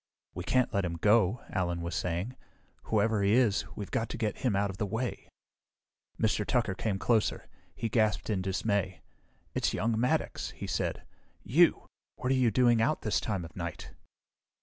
"We can't let him go," Allen was saying. "Whoever he is, we've got to get him out of the way." Mr. Tucker came closer. He gasped in dismay. "It's young Maddox," he said. "You! What are you doing out this time of night?"